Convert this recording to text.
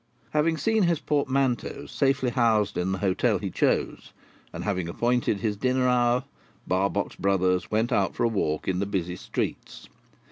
Having seen his portmanteaus safely housed in the hotel he chose, and having appointed his dinner hour, Barbox Brothers went out for a walk in the busy streets.